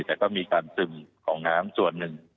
แต่ก็มีการซึมของน้ำส่วนหนึ่ง